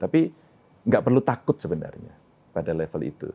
tapi nggak perlu takut sebenarnya pada level itu